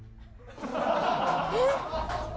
えっ！